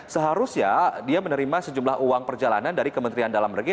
seharusnya dia menerima sejumlah uang perjalanan dari kementerian dalam negeri